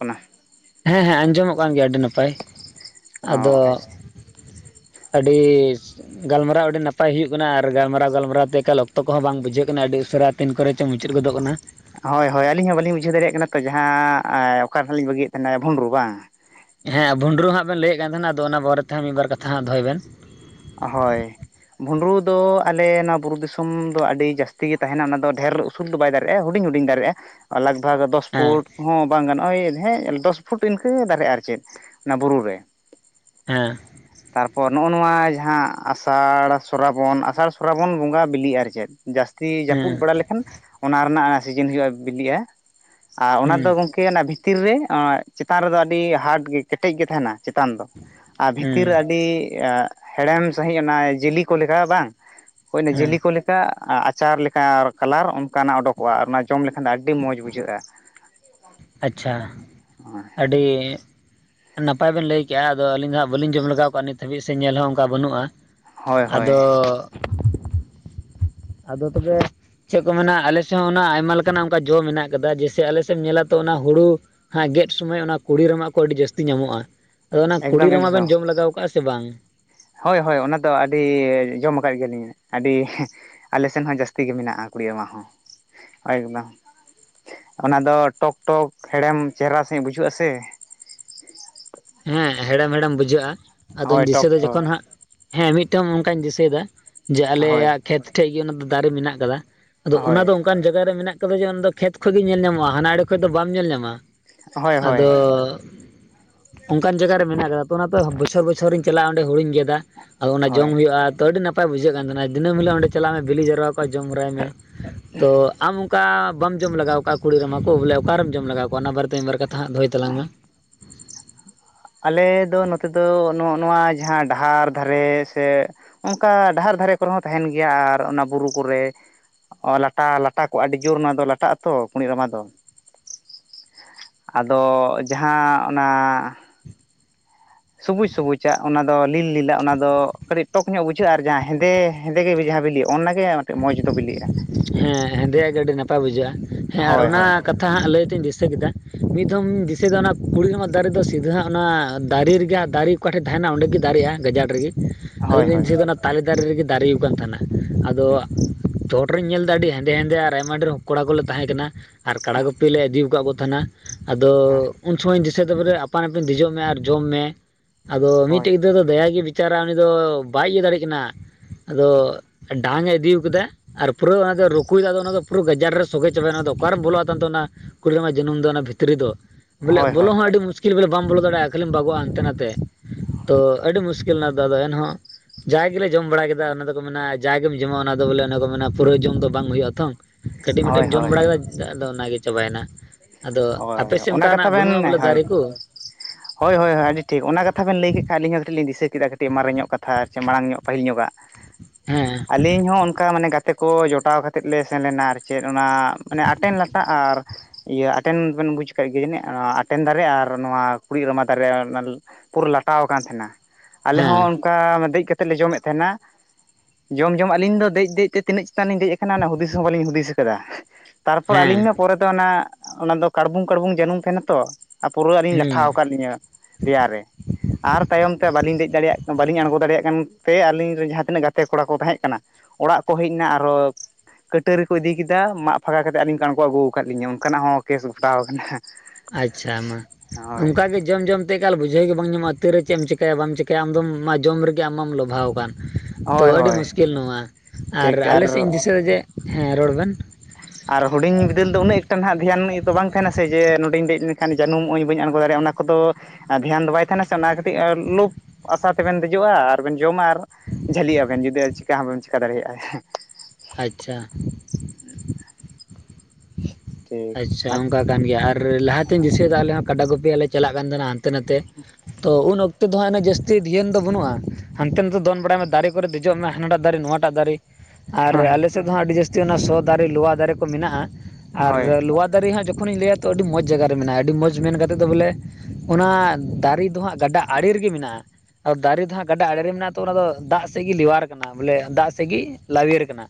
ᱚᱱᱟ ᱦᱮᱸ ᱦᱮᱸ, ᱟᱸᱡᱚᱢᱚᱜ ᱠᱟᱱ ᱜᱮᱭᱟ ᱾ ᱟᱹᱰᱤ ᱱᱟᱯᱟᱭ, ᱟᱫᱚ? ᱚ ᱟᱪᱪᱷᱟ ᱟᱹᱰᱤᱻ ᱥ ᱜᱟᱞᱢᱟᱨᱟᱣ ᱟᱹᱰᱤ ᱱᱟᱯᱟᱭ ᱦᱩᱭᱩᱜ ᱠᱟᱱᱟ ᱾ ᱟᱨ ᱜᱟᱞᱢᱟᱨᱟᱣ, ᱜᱟᱞᱢᱟᱨᱟᱣ ᱛᱮ ᱮᱠᱟᱞ ᱚᱠᱛᱚ ᱠᱚᱦᱚᱸ, ᱵᱟᱝ ᱵᱩᱡᱷᱟᱹᱜ ᱠᱟᱱᱟ ᱾ ᱟᱹᱰᱤ ᱩᱥᱟᱹᱨᱟ ᱛᱤᱱ ᱠᱚᱨᱮ ᱪᱚᱝ, ᱢᱩᱪᱟᱹᱫ ᱜᱚᱫᱚᱜ ᱠᱟᱱᱟ ᱾ ᱦᱳᱭ ᱦᱳᱭ, ᱟᱹᱞᱤᱧ ᱦᱚᱸ ᱵᱟᱹᱞᱤᱧ ᱵᱩᱡᱷᱟᱹᱣ ᱫᱟᱲᱭᱟᱜ ᱛᱚ, ᱡᱟᱦᱟᱸ, ᱚᱠᱟ ᱴᱷᱮᱱ ᱞᱤᱧ ᱵᱟᱹᱜᱤᱭᱟᱜ ᱠᱟᱱᱟ ᱾ ᱵᱷᱩᱢᱨᱩ ᱵᱟᱝ? ᱦᱮᱸ, ᱵᱷᱩᱸᱰᱨᱩ ᱦᱟᱸ, ᱵᱮᱱ ᱞᱟᱹᱭᱮᱜ ᱠᱟᱱᱟ ᱛᱟᱦᱮᱱᱟ ᱾ ᱟᱫᱚ ᱚᱱᱟ ᱵᱟᱨᱮ ᱛᱮ ᱦᱚᱸ, ᱢᱤᱫ ᱵᱟᱨ ᱠᱟᱛᱷᱟᱸ ᱦᱟᱸᱜ ᱫᱚᱦᱚᱭ ᱵᱮᱱ ᱾ ᱦᱳᱭ ᱾ ᱵᱷᱩᱸᱰᱨᱩ ᱫᱚ, ᱟᱞᱮ ᱱᱚᱣᱟ ᱵᱩᱨᱩ ᱫᱤᱥᱚᱢ ᱫᱚ, ᱟᱹᱰᱤ ᱡᱟᱹᱥᱛᱤ ᱜᱮ ᱛᱟᱦᱮᱱᱟ ᱾ ᱚᱱᱟ ᱫᱚ ᱰᱷᱮᱨ ᱥᱩᱞ ᱫᱚ ᱵᱟᱭ ᱫᱮᱨᱮᱜᱼᱟ ᱾ ᱦᱩᱰᱤᱧ ᱦᱩᱰᱤᱧ ᱫᱟᱨᱮᱜᱼᱟ ᱾ ᱞᱟᱜᱽ-ᱵᱷᱟᱜᱽ ᱫᱚᱥ ᱦᱮᱸ ᱯᱷᱩᱴ ᱦᱚ, ᱸ ᱵᱟᱝ ᱜᱟᱱᱚᱜᱼᱟ ᱾ ᱳ ᱩᱭ ᱮᱱᱦᱮᱸ ᱫᱚᱥ ᱯᱷᱩᱴ ᱤᱱᱠᱟᱹ ᱫᱟᱨᱮᱜᱼᱟ ᱾ ᱟᱨ ᱠᱤ ᱚᱱᱟ ᱵᱩᱨᱩ ᱨᱮ ᱾ ᱦᱮᱸ ᱛᱟᱨ ᱯᱚᱨ, ᱱᱚᱜ ᱱᱚᱣᱟ ᱦᱟᱜ ᱟᱥᱟᱲ ᱥᱚᱨᱟᱵᱚᱱ ᱟᱥᱟᱲ ᱥᱚᱨᱟᱵᱚᱱ ᱵᱚᱸᱜᱟ ᱵᱤᱞᱤᱜ-ᱟ ᱟᱨ ᱡᱮᱜ ᱡᱟᱥᱛᱤ ᱦᱮᱸ ᱡᱟᱹᱯᱩᱫ ᱵᱟᱲᱟ ᱞᱮᱠᱷᱟᱱ ᱚᱱᱟ ᱨᱮᱱᱟᱜ ᱥᱤᱡᱤᱱ ᱦᱩᱭᱩᱜᱼᱟ ᱵᱤᱞᱤᱜᱼᱟ ᱟᱨ ᱚᱱᱟ ᱦᱩᱸ ᱫᱚ ᱜᱚᱝ ᱠᱮᱟᱱᱟ ᱵᱷᱤᱛᱤᱨ ᱨᱮ ᱟᱨ ᱪᱮᱛᱟᱱ ᱨᱮᱫᱚ ᱟᱹᱰᱤ ᱦᱟᱨᱰ ᱜᱤ ᱠᱮᱴᱮᱡ ᱜᱮ ᱛᱟᱦᱮᱱᱟ ᱪᱮᱛᱟᱱ ᱫᱚ ᱟ ᱦᱩᱸ ᱵᱷᱤᱛᱤᱨ ᱨᱮ ᱟᱹᱰᱤ ᱮᱜ ᱦᱮᱲᱮᱢ ᱥᱟᱦᱤᱡ ᱚᱱᱟ ᱡᱤᱞᱤ ᱠᱚ ᱞᱮᱠᱟ ᱵᱟᱝ ᱦᱳᱭ ᱚᱱᱟ ᱦᱮᱸ ᱡᱮᱞᱤ ᱠᱚ ᱞᱮ ᱠᱟ ᱟᱪᱟᱨ ᱞᱮᱠᱟ ᱟᱨ ᱠᱟᱞᱟᱨ ᱚᱱᱠᱟᱱᱟᱜ ᱚᱰᱳᱠᱚᱜᱼᱟ ᱟᱨ ᱚᱱᱟ ᱡᱚᱢ ᱞᱮᱠᱷᱟᱱ ᱫᱚ ᱟᱹᱰᱤ ᱢᱚᱡᱽ ᱵᱩᱡᱷᱟᱹᱜᱼᱟ᱾ [inaudible] ᱟᱪᱪᱷᱟ ᱟᱹᱰᱤ ᱱᱟᱯᱟᱭ ᱵᱮᱱ ᱞᱟᱹᱭ ᱠᱮᱜᱼᱟ ᱟᱫᱚ ᱟᱹᱞᱤᱧ ᱫᱚ ᱦᱟᱜ ᱵᱟᱹᱞᱤᱧ ᱡᱚᱢ ᱞᱮᱟᱜᱟᱣ ᱠᱟᱜ-ᱟ ᱱᱤᱛ ᱦᱟᱹᱵᱤᱡ ᱥᱮ ᱧᱮᱞ ᱦᱚᱸ ᱚᱱᱠᱟ ᱵᱟᱹᱱᱩᱜᱼᱟ᱾ ᱦᱳᱭ ᱦᱳᱭ ᱟᱫᱚ ᱟᱫᱚ ᱛᱚᱵᱮ ᱪᱮᱫ ᱠᱚ ᱢᱮᱱᱟ ᱟᱞᱮ ᱥᱮᱫ ᱦᱚᱸ ᱚᱱᱟ ᱟᱭᱢᱟ ᱞᱮᱠᱟᱱᱟᱜ ᱚᱱᱠᱟ ᱡᱚ ᱢᱮᱱᱟᱜ ᱠᱟᱫᱟ ᱡᱮᱥᱮ ᱟᱞᱮ ᱥᱮᱫ ᱮᱢ ᱧᱮᱞᱟ ᱛᱚ ᱚᱱᱟ ᱦᱩᱲᱩ ᱦᱟ ᱜᱮᱫ ᱥᱚᱢᱚᱭ ᱚᱱᱟ ᱠᱩᱲᱤᱨᱟᱢᱟ ᱠᱚ ᱟᱹᱰᱤ ᱡᱟᱹᱥᱛᱤ ᱧᱟᱢᱚᱜᱼᱟ᱾ ᱛᱚ ᱚᱱᱟ ᱮᱠᱫᱚᱢ ᱠᱩᱰᱤᱜᱨᱟᱢᱟ ᱵᱮᱱ ᱮᱠᱫᱚᱢ ᱡᱚᱢ ᱞᱮᱟᱜᱟᱣ ᱠᱟᱜᱼᱟ ᱥᱮ ᱵᱟᱝ? ᱦᱳᱭ ᱦᱳᱭ ᱚᱱᱟ ᱫᱚ ᱟᱹᱰᱤ ᱡᱚᱢ ᱟᱠᱟᱫ ᱜᱮᱭᱟᱞᱤᱧᱟ ᱟᱹᱰᱤ ᱟᱞᱮ ᱥᱮᱱ ᱦᱚᱸ ᱡᱟᱹᱥᱛᱤ ᱜᱮ ᱢᱮᱱᱟᱜᱼᱟ ᱠᱩᱲᱤ ᱨᱟᱢᱟ ᱦᱚᱸ [unintelligible] ᱚᱱᱟ ᱫᱚ ᱴᱚᱠ ᱴᱚᱠ ᱦᱮᱲᱮᱢ ᱪᱮᱦᱨᱟ ᱥᱟᱦᱤᱡ ᱵᱩᱡᱷᱟᱹᱜᱟ ᱥᱮ ᱦᱮᱸ ᱦᱮᱲᱮᱢ ᱦᱮᱲᱮᱢ ᱵᱩᱡᱷᱟᱹᱜᱼᱟ ᱟᱫᱚᱧ ᱦᱳᱭ ᱫᱤᱥᱟᱹ ᱴᱚᱠ ᱫᱟ ᱴᱚᱠ ᱡᱚᱠᱷᱚᱱ ᱦᱟᱸᱜ ᱦᱮᱸ ᱢᱤᱫᱴᱟᱝ ᱚᱱᱠᱟᱧ ᱫᱤᱥᱟᱹᱭᱫᱟ ᱡᱮ ᱦᱳᱭ ᱟᱞᱮᱭᱟᱜ ᱠᱷᱮᱛ ᱴᱷᱮᱡ ᱜᱮ ᱚᱱᱟ ᱫᱚ ᱫᱟᱨᱮ ᱢᱮᱱᱟᱜ ᱠᱟᱫᱟ᱾ ᱟᱫᱚ ᱚᱱᱟ ᱦᱳᱭ ᱫᱚ ᱚᱱᱠᱟᱱ ᱡᱟᱜᱟ ᱨᱮ ᱢᱮᱱᱟᱜ ᱠᱟᱫᱟ ᱡᱮ ᱠᱷᱮᱛ ᱠᱷᱚᱱ ᱜᱮ ᱧᱮᱞ ᱧᱟᱢᱚᱜᱼᱟ ᱦᱟᱱᱟ ᱟᱹᱲᱮ ᱠᱷᱚᱡ ᱫᱚ ᱵᱟᱢ ᱧᱮᱞ ᱧᱟᱢᱟ ᱦᱳᱭ ᱦᱳᱭ ᱟᱫᱚ ᱚᱱᱠᱟᱱ ᱡᱟᱭᱜᱟ ᱨᱮ ᱢᱮᱱᱟᱜ ᱠᱟᱫᱟ ᱛᱚ ᱚᱱᱟ ᱛᱮ ᱵᱚᱪᱷᱚᱨ ᱵᱚᱪᱷᱚᱨᱧ ᱪᱟᱞᱟᱜᱼᱟ ᱚᱸᱰᱮ ᱦᱩᱲᱩᱧ ᱜᱮᱫᱟ ᱟᱫᱚ ᱚᱱᱟ ᱦᱳᱭ ᱡᱚᱢ ᱦᱩᱭᱩᱜᱼᱟ ᱛᱚ ᱟᱹᱰᱤ ᱱᱟᱯ ᱵᱩᱡᱷᱟᱹᱜ ᱠᱟᱱ ᱛᱟᱦᱮᱱᱟ ᱫᱤᱱᱟᱹᱢ ᱦᱤᱞᱳᱜ ᱚᱸᱰᱮ ᱪᱟᱞᱟᱜ ᱢᱮ ᱵᱤᱞᱤ ᱡᱟᱣᱨᱟ ᱠᱚ ᱡᱚᱢ ᱦᱚᱨᱟᱭ ᱢᱮ ᱛᱚ ᱟᱢ ᱚᱠᱟ ᱵᱟᱢ ᱡᱚᱢ ᱞᱮᱟᱜᱟᱣ ᱠᱟᱜᱼᱟ ᱠᱩᱲᱤᱜ ᱨᱟᱢᱟ ᱠᱚ ᱵᱚᱞᱮ ᱚᱠᱟᱨᱨᱢ ᱡᱚᱢ ᱞᱮᱟᱜᱟᱣ ᱠᱟᱜ-ᱟ ᱚᱱᱟ ᱵᱟᱨᱮᱛᱮ ᱢᱤᱫ ᱵᱟᱨ ᱠᱟᱛᱷᱟ ᱦᱟᱸᱜ ᱫᱚᱦᱚᱭ ᱛᱟᱞᱟᱝ ᱢᱮ ᱟᱞᱮ ᱫᱚ ᱱᱚᱛᱮ ᱫᱚ ᱱᱚ ᱱᱚᱣᱟ ᱡᱟᱦᱟᱸ ᱰᱟᱦᱟᱨ ᱫᱷᱟᱨᱮ ᱥᱮ ᱚᱱᱠᱟ ᱰᱟᱦᱟᱨ ᱫᱷᱟᱨᱮ ᱠᱚᱨᱮ ᱦᱚᱸ ᱛᱟᱦᱮᱱ ᱜᱮᱭᱟ ᱟᱨ ᱚᱱᱟ ᱵᱩᱨᱩ ᱠᱚᱨᱮ ᱚ ᱞᱟᱴᱟ ᱞᱟᱴᱟ ᱠᱚᱜᱼᱟ ᱟᱹᱰᱤ ᱡᱳᱨ ᱚᱱᱟ ᱫᱚ ᱞᱟᱴᱟᱜ ᱟᱛᱚ ᱠᱩᱲᱤ ᱨᱟᱢᱟ ᱫᱚ ᱟᱫᱚ ᱡᱟᱦᱟᱸ ᱚᱱᱟ ᱥᱩᱵᱩᱡ ᱥᱩᱵᱩᱡ ᱟᱜ ᱚᱱᱟ ᱫᱚ ᱞᱤᱞ ᱞᱤᱞ ᱟᱜ ᱚᱱᱟ ᱫᱚ ᱠᱟᱹᱴᱤᱡ ᱴᱚᱠ ᱧᱚᱜ ᱵᱩᱡᱷᱟᱹᱜ-ᱟ ᱟᱨ ᱡᱟᱦᱟᱸ ᱦᱮᱸᱫᱮ ᱦᱮᱸᱫᱮ ᱜᱮ ᱡᱟᱦᱟᱸ ᱵᱤᱞᱤᱜ ᱚᱱᱟᱜᱮ ᱢᱤᱫᱴᱤᱜ ᱢᱚᱡᱽ ᱫᱚ ᱵᱤᱞᱤᱜᱼᱟ ᱦᱮᱸ ᱦᱮᱸᱫᱮᱭᱟᱜ ᱜᱮ ᱟᱹᱰᱤ ᱱᱟᱯᱟᱭ ᱵᱩᱡᱷᱟᱹᱜᱼᱟ ᱦᱮᱸ ᱟᱨ ᱦᱳᱭ ᱚᱱᱟ ᱦᱳᱭ ᱠᱟ ᱛᱷᱟ ᱦᱟᱸᱜ ᱞᱟᱹᱭ ᱛᱮᱧ ᱫᱤᱥᱟᱹ ᱠᱮᱫᱟ ᱢᱤᱫ ᱫᱷᱚᱢ ᱫᱤᱥᱟᱹᱭ ᱫᱟ ᱚᱱᱟ ᱠᱩᱲᱤ ᱨᱟᱢᱟ ᱫᱟᱨᱮ ᱫᱚ ᱥᱤᱫᱷᱟ ᱦᱟᱸᱜ ᱚᱱᱟ ᱫᱟᱨᱮ ᱨᱮᱜᱮ ᱫᱟᱨᱮ ᱚᱠᱟ ᱴᱷᱮᱱ ᱛᱟᱦᱮᱱᱟ ᱚᱸᱰᱮ ᱜᱮ ᱫᱟᱨᱮᱜᱼᱟ ᱜᱟᱡᱟᱲ ᱨᱮᱜᱮ ᱦᱳᱭ ᱟᱞᱤᱧ ᱴᱷᱮᱱ ᱦᱳᱭ ᱦᱳᱭ ᱫᱚ ᱚᱱᱟ ᱛᱟᱞᱮ ᱫᱟᱨᱮ ᱨᱮᱜᱮ ᱫᱟᱨᱮ ᱠᱟᱱ ᱛᱟᱦᱮᱱᱟ ᱟᱫᱚ ᱪᱚᱴ ᱨᱮᱧ ᱧᱮᱞ ᱟᱹᱰᱤ ᱦᱮᱫᱮ ᱦᱮᱫᱮ ᱟᱨ ᱟᱭᱢᱟ ᱰᱷᱮᱨ ᱠᱚᱲᱟ ᱠᱚᱞᱮ ᱛᱟᱦᱮᱸ ᱠᱟᱱᱟ ᱟᱨ ᱠᱟᱲᱟ ᱜᱯᱤ ᱞᱮ ᱤᱫᱤ ᱟᱠᱟᱫ ᱠᱚ ᱛᱟᱦᱮᱱᱟ ᱟᱫᱚ ᱩᱱ ᱥᱚᱢᱚᱭᱧ ᱫᱤᱥᱟᱹᱭ ᱫᱟ ᱵᱚᱞᱮ ᱟᱯᱟᱱ ᱟᱹᱯᱤᱱ ᱫᱮᱡᱚᱜ ᱢᱮ ᱟᱨ ᱡᱚᱢ ᱢᱮ ᱟᱫᱚ ᱦᱳᱭ ᱢᱤᱫᱴᱮᱡ ᱜᱤᱫᱽᱨᱟᱹ ᱫᱚ ᱫᱟᱭᱟᱜ ᱜᱮ ᱵᱤᱪᱟᱨᱟ ᱩᱱᱤ ᱫᱚ ᱵᱟᱭ ᱤᱭᱟᱹ ᱫᱟᱲᱮᱜ ᱠᱟᱱᱟ ᱟᱫᱚ ᱰᱟᱝ ᱮ ᱤᱫᱤ ᱠᱮᱫᱟ ᱟᱨ ᱯᱩᱨᱟᱹ ᱚᱱ ᱨᱩᱠᱩᱭᱮᱫᱟ ᱚᱱᱟ ᱫᱚ ᱯᱩᱨᱟᱹ ᱜᱟᱡᱟᱲ ᱨᱮ ᱥᱚᱜᱮ ᱪᱟᱵᱟᱭ ᱮᱱᱟ ᱟᱫᱚ ᱚᱠᱟᱨᱮ ᱵᱚᱞᱚᱜᱼᱟ ᱛᱟᱢᱛᱮ ᱚᱱᱟ ᱠᱩᱲᱤᱨᱢᱟ ᱡᱟᱹᱱᱩᱢ ᱫᱚ ᱚᱱᱟ ᱵᱷᱤᱛᱨᱤ ᱫᱚ ᱵᱚᱞᱮ ᱦᱳᱭ ᱵᱚᱞᱚᱦᱚᱸ ᱟᱹᱰᱤ ᱢᱩᱥ ᱠᱷᱤᱞ ᱵᱚᱞᱮ ᱵᱟᱢ ᱵᱚᱞᱚ ᱫᱟᱲᱮᱭᱟᱜᱼᱟ ᱠᱷᱟᱹᱞᱤᱢ ᱵᱟᱜᱚᱜᱼᱟ ᱦᱟᱱᱛᱮ ᱱᱟᱛᱮ ᱛᱚ ᱟᱹᱰᱤ ᱢᱩᱥᱠᱤᱞ ᱚᱱᱟ ᱫᱚ ᱟᱫᱚ ᱮᱱᱦᱚᱸ ᱡᱟ ᱜᱮᱞᱮ ᱡᱚᱢ ᱵᱟᱲᱟ ᱠᱮᱫᱟ ᱚᱱᱟ ᱫᱚᱠᱚ ᱢᱮᱱᱟ ᱡᱟᱜ ᱜᱮᱢ ᱡᱚᱢᱟ ᱚᱱᱟ ᱫᱚ ᱵᱚᱞᱮ ᱚᱱᱟ ᱠᱚ ᱢᱮᱱᱟ ᱯᱩᱨᱟᱹ ᱡᱚᱢ ᱫᱚ ᱵᱟᱝ ᱦᱩᱭᱩᱜᱼᱟ ᱛᱷᱚ ᱠᱟᱹᱴᱤᱡ ᱢᱟᱴᱤᱡ ᱦᱳᱭ ᱮᱢ ᱡᱚᱢ ᱦᱳᱭ ᱵᱟᱲᱟ ᱠᱮᱫᱟ ᱟᱫᱚ ᱚᱱᱟᱜᱮ ᱪᱟᱵᱟᱭᱮᱱᱟ ᱟᱫᱚ ᱦᱳᱭ ᱟᱯᱮ ᱥᱮᱫ ᱚᱱᱟ ᱠᱟᱛᱷᱟ ᱚᱱᱠᱟᱱᱟᱜ ᱵᱮᱱ ᱵᱟᱹᱱᱩᱜᱼᱟ ᱵᱚᱞᱮ ᱦᱳᱭ ᱫᱟᱨᱮ ᱠᱚ? ᱦᱳᱭ ᱦᱳᱭ ᱦᱳ ᱟᱹᱰᱤ ᱴᱷᱤᱠ ᱚᱱᱟ ᱠᱟᱛᱷᱟ ᱵᱮᱱ ᱞᱟᱹᱭ ᱠᱮᱫ ᱠᱷᱟᱱ ᱟᱹᱞᱤᱧ ᱫᱚ ᱠᱟᱹᱴᱤᱡ ᱞᱤᱧ ᱫᱤᱥᱟᱹ ᱠᱮᱫᱟ ᱠᱟᱹᱴᱤᱡ ᱢᱟᱨᱮ ᱧᱚᱜ ᱠᱟᱛᱷᱟ ᱟᱨᱪᱚ ᱢᱟᱲᱟᱝ ᱧᱚᱜ ᱯᱟᱹᱦᱤᱞ ᱧᱚᱜᱼᱟᱜ ᱦᱮᱸ ᱟᱹᱞᱤᱧ ᱦᱚᱸ ᱚᱱᱠᱟ ᱢᱟᱱᱮ ᱜᱟᱛᱮ ᱠᱚ ᱡᱚᱴᱟᱣ ᱠᱟᱛᱮᱫ ᱞᱮ ᱥᱮᱱ ᱞᱮᱱᱟ ᱟᱨ ᱪᱮᱫ ᱚᱱᱟ ᱢᱟᱱᱮ ᱟᱴᱮᱱ ᱞᱟᱴᱟ ᱟᱨ ᱤᱭᱟᱹ ᱴᱮᱱ ᱵᱮᱱ ᱵᱩᱡᱽ ᱠᱟᱫ ᱜᱮ ᱡᱟᱹᱱᱤᱡ ᱱᱚᱣᱟ ᱟᱴᱮᱱ ᱫᱟᱨᱮ ᱟᱨ ᱱᱚᱣᱟ ᱠᱩᱲᱤᱫ ᱨᱟᱢᱟ ᱫᱟᱨᱮ ᱯᱩᱨᱟᱹ ᱞᱟᱴᱟᱣ ᱟᱠᱟᱱ ᱛᱟᱦᱮᱱᱟ, ᱟᱞᱮ ᱦᱮᱸ ᱦᱚᱸ ᱚᱱᱠᱟ ᱫᱮᱡᱛᱮᱫ ᱞᱮ ᱡᱚᱢᱮᱫ ᱛᱟᱦᱮᱱᱟ᱾ ᱡᱚᱢ ᱡᱚᱢ ᱟᱹᱞᱤᱧ ᱫᱚ ᱫᱮᱡ ᱫᱮᱡ ᱛᱤᱱᱟᱹᱜ ᱪᱮᱛᱟᱱ ᱞᱤᱧ ᱫᱮᱡ ᱟᱠᱟᱱᱟ, ᱚᱱᱟ ᱦᱩᱫᱤᱥ ᱦᱚᱸ ᱵᱟᱞᱤᱧ ᱦᱩᱫᱤᱥ ᱟᱠᱟᱫᱟ᱾ ᱛᱟᱨᱯᱚᱨ ᱦᱮᱸ ᱟᱹᱞᱤᱧ ᱢᱮ ᱯᱚᱨᱮ ᱫᱚ ᱚᱱᱟ ᱚᱱᱟ ᱫᱚ ᱠᱟᱲᱵᱩ ᱠᱟᱲᱵᱩ ᱡᱟᱹᱱᱩᱢ ᱯᱷᱱᱟ ᱛᱚ ᱟᱨ ᱯᱩᱨᱟᱹ ᱟᱹᱞᱤᱧ ᱦᱮᱸ ᱞᱟᱴᱷᱟ ᱟᱠᱟᱫ ᱞᱤᱧᱟᱹ ᱫᱮᱭᱟ ᱨᱮ ᱟᱨ ᱛᱟᱭᱚᱢ ᱛᱮ ᱵᱟᱹᱞᱤᱧ ᱫᱮᱡ ᱫᱟᱲᱮᱭᱟᱜ ᱵᱟᱹᱞᱤᱧ ᱟᱬᱜᱚ ᱫᱟᱲᱮᱭᱟᱜ ᱠᱟᱱ ᱛᱮ, ᱟᱹᱞᱤᱧ ᱨᱮᱱ ᱡᱟᱦᱟᱸ ᱛᱤᱱᱟᱹᱜ ᱜᱟᱛᱮ ᱠᱚᱲᱟ ᱠᱚ ᱛᱟᱦᱮᱸ ᱠᱟᱱᱟ ᱚᱲᱟᱜ ᱠᱚ ᱦᱮᱡ ᱮᱱᱟ, ᱟᱨᱚ ᱠᱟᱹᱴᱟᱹᱨᱤ ᱠᱚ ᱤᱫᱤ ᱠᱮᱫᱟ᱾ ᱢᱟᱜ ᱯᱷᱟᱠᱟ ᱠᱟᱛᱮᱫ ᱟᱹᱞᱤᱧ ᱠᱟᱬᱚᱜ ᱟᱹᱜᱩᱣᱟ ᱟᱠᱟᱫ ᱞᱤᱧᱟᱹ᱾ ᱚᱱᱠᱟᱱᱟᱜ ᱦᱚᱸ ᱠᱮᱥ ᱜᱷᱚᱴᱟᱣ ᱟᱠᱟᱱᱟ᱾ ᱟᱪᱪᱷᱟ ᱢᱟ ᱦᱳᱭ ᱚᱱᱠᱟ ᱜᱮ ᱡᱚᱢ ᱡᱚᱢ ᱛᱮ ᱮᱠᱟᱞ ᱵᱩᱡᱷᱟᱹᱣ ᱜᱮ ᱵᱟᱝ ᱧᱟᱢᱚᱜᱼᱟ, ᱛᱤᱨᱮ ᱪᱮᱫ ᱮᱢ ᱪᱤᱠᱟᱹᱭᱟ ᱵᱟᱢ ᱪᱤᱠᱟᱹᱭᱟ ᱟᱢ ᱡᱚᱢ ᱨᱮᱜᱮ ᱟᱢ ᱞᱚᱵᱷᱟ ᱟᱠᱟᱱ ᱛᱚ ᱦᱳᱭ ᱟᱹᱰᱤ ᱦᱳᱭ ᱢᱩᱥᱠᱤᱞ ᱱᱚᱣᱟ ᱟᱨ ᱟᱞᱮ ᱥᱮᱫ ᱤᱧ ᱫᱤᱥᱟᱹᱫᱟ ᱡᱮ ᱦᱮᱸ ᱨᱚᱲ ᱵᱮᱱ ᱟᱨ ᱦᱩᱰᱤᱧ ᱵᱤᱫᱟᱹᱞ ᱫᱚ ᱩᱱᱟᱹᱜ ᱮᱠᱴᱟ ᱦᱟᱸᱜ ᱫᱷᱮᱭᱟᱱ ᱫᱚ ᱵᱟᱝ ᱛᱟᱦᱮᱱᱟ ᱥᱮ, ᱡᱮ ᱱᱚᱰᱮᱧ ᱫᱮᱡ ᱞᱮᱱᱟᱱ ᱡᱟᱱᱩᱢᱟᱹᱧ ᱵᱟᱹᱧ ᱟᱬᱜᱚ ᱫᱟᱲᱮᱭᱟᱜᱼᱟ᱾ ᱚᱱᱟ ᱠᱚᱫᱚ ᱫᱷᱮᱭᱟᱱ ᱫᱚ ᱵᱟᱭ ᱛᱟᱦᱮᱱᱟ ᱥᱮ ᱚᱱᱟ ᱠᱷᱟᱹᱴᱤᱡ ᱞᱳᱵᱽ ᱟᱥᱟ ᱛᱮᱵᱮᱱ ᱫᱮᱡᱚᱜᱼᱟ ᱟᱨ ᱵᱮᱮᱱ ᱡᱚᱢᱟ ᱟᱨ ᱡᱷᱟᱹᱞᱤᱜ ᱟᱵᱮᱱ ᱡᱩᱫᱤ ᱟᱨ ᱪᱤᱠᱟ ᱦᱚᱸᱵᱮᱱ ᱪᱤᱠᱟᱹ ᱫᱟᱲᱮᱭᱟᱜᱼᱟ᱾ ᱟᱪᱪᱷᱟ᱾ ᱴᱷᱤᱠ ᱟᱪᱪᱷᱟ ᱚᱱᱠᱟ ᱠᱟᱱ ᱜᱮᱭᱟ ᱟᱨ ᱞᱟᱦᱟᱛᱮᱧ ᱫᱤᱥᱟ ᱮᱫᱟ, ᱟᱞᱮ ᱦᱚᱸ ᱠᱟᱰᱟ ᱜᱩᱯᱤᱭ ᱞᱮ ᱪᱟᱞᱟᱜ ᱠᱟᱱ ᱛᱟᱦᱮᱱᱟ᱾ ᱦᱟᱛᱮ ᱱᱟᱛᱮ ᱛᱚ ᱩᱱ ᱚᱠᱛᱚ ᱱᱮᱫ ᱫᱚ ᱦᱚᱱᱟᱹᱝ ᱡᱟᱹᱥᱛᱤ ᱫᱷᱭᱟᱱ ᱫᱚ ᱵᱟᱹᱱᱩᱜᱼᱟ, ᱦᱟᱱᱛᱮ ᱱᱟᱛᱮ ᱫᱚᱱ ᱵᱟᱲᱟᱭ ᱢᱮ ᱫᱟᱨᱮ ᱠᱚᱨᱮ ᱫᱮᱡᱚᱜ ᱢᱮ ᱦᱟᱱᱟᱴᱟᱜ ᱫᱟᱨᱮ ᱱᱚᱣᱟᱴᱟᱜ ᱫᱟᱨᱮ ᱟᱨ ᱦᱳᱭ ᱟᱞᱮ ᱥᱮᱫ ᱫᱚ ᱦᱚᱸ ᱟᱹᱰᱤ ᱡᱟᱹᱥᱛᱤ ᱚᱱᱟ ᱥᱚ ᱫᱟᱨᱮ ᱞᱚᱣᱟ ᱫᱟᱨᱮ ᱠᱚ ᱢᱮᱱᱟᱜᱼᱟ᱾ ᱟᱨ ᱦᱳᱭ ᱞᱚᱣᱟ ᱫᱟᱨᱮ ᱦᱚᱸ ᱡᱚᱠᱷᱚᱱᱤᱧ ᱞᱟᱹᱭᱟ ᱛᱚ ᱟᱹᱰᱤ ᱢᱚᱡᱽ ᱡᱟᱭᱜᱟ ᱨᱮ ᱢᱮᱱᱟᱜᱼᱟ᱾ ᱟᱹᱰᱤ ᱢᱚᱡᱽ ᱢᱮᱱ ᱠᱟᱛᱮᱫ ᱫᱚ ᱵᱚᱞᱮ ᱚᱱᱟ ᱫᱟᱨᱮ ᱫᱚ ᱦᱟᱸᱜ ᱜᱟᱰᱟ ᱟᱲᱮ ᱨᱮᱜᱮ ᱢᱮᱱᱟᱜᱼᱟ᱾ ᱟᱨ ᱫᱟᱨᱮ ᱫᱚ ᱦᱟᱸᱜ ᱜᱟᱰᱟ ᱟᱲᱮ ᱨᱮ ᱢᱮᱱᱟᱜ ᱛᱚ, ᱚᱱᱟ ᱫᱚ ᱫᱟᱜ ᱥᱮᱡ ᱜᱮ ᱞᱮᱣᱟᱨ ᱟᱠᱟᱱᱟ᱾ ᱵᱚᱞᱮ ᱫᱟᱜ ᱥᱮᱡ ᱜᱮ ᱞᱟᱣᱮᱨ ᱠᱟᱱᱟ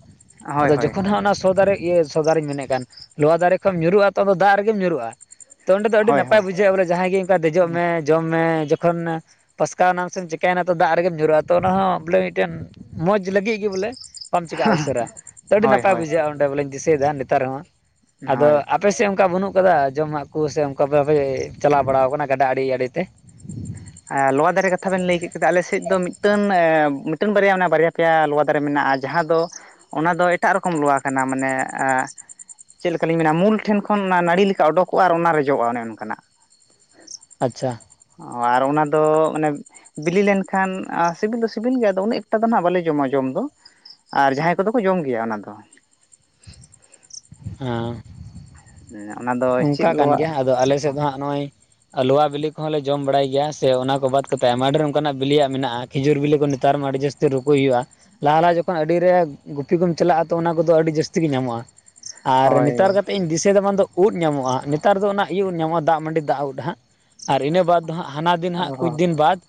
ᱦᱳᱭ ᱟᱫᱚ ᱦᱳᱭ ᱡᱚᱠᱷᱚᱱ ᱦᱟᱸᱜ ᱚᱱᱟ ᱥᱚᱫᱟᱨᱤ ᱤᱭᱟᱹ ᱥᱚᱫᱟᱨᱤᱧ ᱢᱮᱱᱮᱫ ᱠᱟᱱ ᱞᱚᱣᱟ ᱫᱟᱨᱮ ᱠᱷᱚᱱᱚᱡ ᱧᱩᱨᱩᱜᱼᱟ ᱛᱚᱫᱚ ᱫᱟᱜ ᱨᱮᱜᱮᱢ ᱧᱩᱨᱩᱜᱼᱟ ᱛᱚ ᱚᱸᱰᱮ ᱫᱚ ᱟᱹᱰᱤ ᱦᱳᱭ ᱱᱟᱯᱟᱭ ᱦᱳᱭ ᱵᱩᱡᱷᱟᱹᱜᱼᱟ, ᱵᱚᱞᱮ ᱡᱟᱦᱟᱸᱭ ᱜᱮ ᱚᱱᱠᱟ ᱫᱮᱡᱚᱜ ᱢᱮ ᱡᱚᱢ ᱢᱮ ᱡᱚᱠᱷᱚᱱ ᱯᱟᱥᱠᱟᱣ ᱮᱱᱟᱢ ᱥᱮᱢ ᱪᱤᱠᱟᱹᱭᱮᱱᱟ ᱛᱚ ᱫᱟᱜ ᱨᱮᱜᱮᱢ ᱧᱩᱨᱩᱜᱼᱟ᱾ ᱛᱚ ᱚᱱᱟ ᱦᱚᱸ ᱵᱚᱞᱮ ᱢᱤᱫᱴᱮᱱ ᱢᱚᱡᱽ ᱞᱟᱹᱜᱤᱫ ᱜᱮ ᱵᱚᱞᱮ ᱵᱟᱢ ᱪᱤᱠᱟ ᱩᱥᱟᱹᱨᱟ ᱛᱚ ᱟᱹᱰᱤ ᱦᱳᱭ ᱱᱟᱯᱟᱭ ᱦᱳᱭ ᱵᱩᱡᱷᱟᱹᱜᱼᱟ᱾ ᱚᱸᱰᱮ ᱵᱚᱞᱮᱧ ᱫᱤᱥᱟᱹᱭ ᱮᱫᱟ ᱱᱮᱛᱟᱨ ᱦᱚᱸ ᱟᱫᱚ ᱦᱳᱭ ᱟᱯᱮᱥᱮᱫ ᱚᱱᱠᱟ ᱵᱟᱹᱱᱩᱜ ᱟᱠᱟᱫᱟ, ᱡᱚᱢᱟᱜ ᱠᱚ ᱥᱮ ᱚᱱᱠᱟ ᱵᱟᱯᱮ ᱪᱟᱞᱟᱣ ᱵᱟᱲᱟ ᱟᱠᱟᱱᱟ ᱜᱟᱰᱟ ᱟᱲᱮ ᱟᱲᱮ ᱛᱮ? ᱞᱚᱣᱟ ᱫᱟᱨᱮ ᱠᱟᱛᱷᱟ ᱵᱮᱱ ᱞᱟᱹᱭ ᱠᱮᱫ ᱠᱮᱫᱟ᱾ ᱟᱞᱮ ᱥᱮᱫ ᱫᱚ ᱢᱤᱫᱴᱮᱱ ᱢᱤᱫᱴᱮᱱ ᱵᱟᱨᱭᱟ ᱚᱱᱟ ᱵᱟᱨᱭᱟ ᱯᱮᱭᱟ ᱞᱚᱣᱟ ᱫᱟᱨᱮ ᱢᱮᱱᱟᱜᱼᱟ᱾ ᱡᱟᱦᱟᱸ ᱫᱚ ᱚᱱᱟ ᱫᱚ ᱮᱴᱟᱜ ᱨᱚᱠᱚᱢ ᱞᱚᱣᱟ ᱠᱟᱱᱟ ᱢᱟᱱᱮ ᱪᱮᱫ ᱞᱮᱠᱟᱞᱤᱧ ᱢᱮᱱᱟ ᱢᱩᱞ ᱴᱷᱮᱱ ᱠᱷᱚᱱ ᱚᱱᱟ ᱱᱟᱹᱲᱤ ᱞᱮᱠᱟ ᱚᱰᱚᱠᱚᱜᱼᱟ ᱟᱨ ᱚᱱᱟ ᱨᱮ ᱡᱚᱜᱼᱟ, ᱚᱱᱮ ᱚᱱᱠᱟ ᱱᱟᱜ ᱟᱪᱪᱷᱟ᱾ ᱚ ᱟᱨ ᱚᱱᱟ ᱫᱚ ᱢᱟᱱᱮ ᱵᱤᱞᱤ ᱞᱮᱱᱠᱷᱟᱱ ᱥᱤᱵᱤᱞ ᱫᱚ ᱥᱤᱵᱤᱞ ᱜᱮᱭᱟ᱾ ᱟᱫᱚ ᱩᱱᱟᱹ ᱮᱠᱴᱟ ᱫᱚ ᱦᱟᱸᱜ ᱵᱟᱞᱮ ᱡᱚᱢᱟ ᱡᱚᱢ ᱫᱚ ᱟᱨ ᱡᱟᱦᱟᱸᱭ ᱠᱚᱫᱚ ᱠᱚ ᱡᱚᱢ ᱜᱮᱭᱟ᱾ ᱚᱱᱟ ᱫᱚ ᱦᱮᱸ᱾ ᱦᱮᱸ ᱚᱱᱟ ᱫᱚ ᱪᱮᱫ ᱚᱱᱠᱟ ᱠᱟᱱ ᱞᱚᱣᱟ ᱜᱮᱭᱟ, ᱟᱫᱚ ᱟᱞᱮ ᱥᱮᱫ ᱫᱚ ᱦᱟᱸᱜ ᱱᱚᱜᱼᱚᱭ ᱞᱚᱣᱟ ᱵᱤᱞᱤ ᱠᱚᱦᱚᱸ ᱞᱮ ᱡᱚᱢ ᱵᱟᱲᱟᱭ ᱜᱮᱭᱟ ᱥᱮ ᱚᱱᱟ ᱠᱚ ᱵᱟᱫ ᱠᱟᱛᱮ ᱟᱭᱢᱟ ᱰᱷᱮᱨ ᱚᱱᱠᱟᱱᱟᱜ ᱵᱤᱞᱤᱭᱟᱜ ᱢᱮᱱᱟᱜᱼᱟ᱾ ᱠᱷᱤᱡᱩᱨ ᱵᱤᱞᱤ ᱠᱚ ᱱᱮᱛᱟᱨ ᱢᱟ ᱟᱹᱰᱤ ᱡᱟᱹᱥᱛᱤ ᱥᱮ ᱨᱩᱠᱩᱭ ᱦᱩᱭᱩᱜᱼᱟ᱾ ᱞᱟᱦᱟ ᱞᱟᱦᱟ ᱡᱚᱠᱷᱚᱱ ᱟᱹᱰᱤ ᱨᱮ ᱜᱩᱯᱤ ᱠᱚᱢ ᱪᱟᱞᱟᱜᱼᱟ ᱛᱚ, ᱚᱱᱟ ᱠᱚᱫᱚ ᱟᱹᱰᱤ ᱡᱟᱹᱥᱛᱤ ᱜᱮ ᱧᱟᱢᱚᱜᱼᱟ᱾ ᱟᱨ ᱦᱳᱭ ᱱᱮᱛᱟᱨ ᱠᱟᱛᱮᱜ ᱤᱧ ᱫᱤᱥᱟᱹᱭ ᱮᱫᱟ ᱵᱟᱝ ᱫᱚ ᱩᱫ ᱧᱟᱢᱚᱜᱼᱟ᱾ ᱱᱮᱛᱟᱨ ᱫᱚ ᱚᱱᱟ ᱤᱭᱟᱹ ᱩᱫ ᱧᱟᱢᱚᱜᱼᱟ, ᱫᱟᱜ ᱢᱟᱹᱰᱤ ᱫᱟᱜ ᱩᱫ ᱦᱟᱸᱜ ᱟᱨ ᱤᱱᱟᱹ ᱵᱟᱫᱽ ᱦᱟᱸᱜ ᱦᱟᱱᱟ ᱫᱤᱱ ᱦᱟᱸᱜ ᱚ ᱠᱩᱪ ᱫᱤᱱ ᱵᱟᱫ